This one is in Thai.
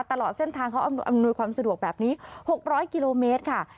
ตลอดเส้นทางเขาอำนวยความสะดวกแบบนี้๖๐๐กิโลเมตรค่ะ